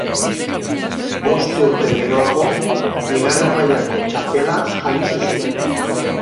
Bost urte geroago bigarren mailako txapela jantzi zuen.